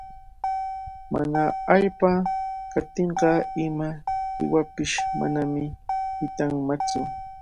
Mana allpa kaptinqa ima qiwapish manami hiqanmantsu.